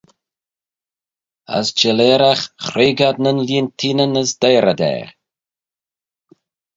As chelleeragh hreig ad nyn lieenteenyn, as deiyr ad er.